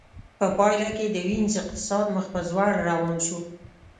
په پایله کې د وینز اقتصاد مخ په ځوړ روان شو